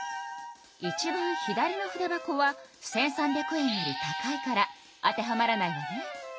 いちばん左の筆箱は１，３００円より高いから当てはまらないわね。